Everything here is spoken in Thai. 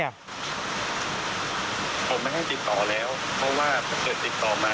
ผมไม่ให้ติดต่อแล้วเพราะว่าถ้าเกิดติดต่อมา